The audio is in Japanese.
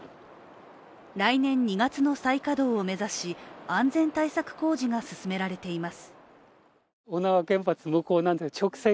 来年２月の再稼働を目指し安全対策工事が進められています。